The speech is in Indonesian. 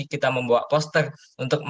kita membawa poster untuk